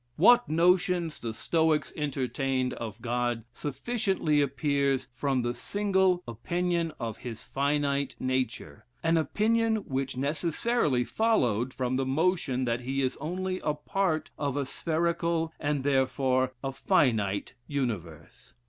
What notions the Stoics entertained of God sufficiently appears from the single opinion of his finite nature; an opinion which necessarily followed from the notion that he is only a part of a spherical, and therefore a finite universe.